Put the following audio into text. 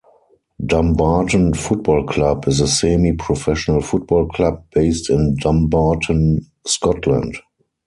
Dumbarton Football Club is a semi-professional football club based in Dumbarton, Scotland.